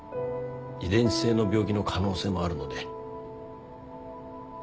遺伝性の病気の可能性もあるので。